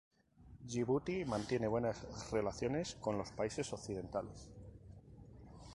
Yibuti mantiene buenas relaciones con los países Occidentales.